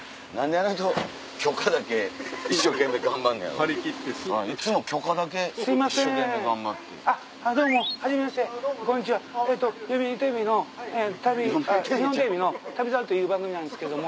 あっ日本テレビの『旅猿』という番組なんですけれども。